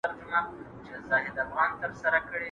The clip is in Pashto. ¬ سل عقله په سلو ټکرو زده کېږي.